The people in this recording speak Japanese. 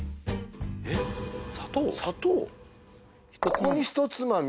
ここにひとつまみ？